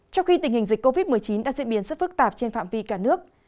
trong khi tình hình dịch covid một mươi chín đã diễn biến rất phức tạp trên phạm vi cả nước